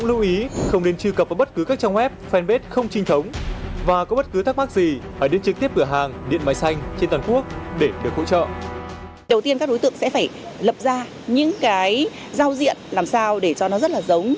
đầu tiên các đối tượng sẽ phải lập ra những cái giao diện làm sao để cho nó rất là giống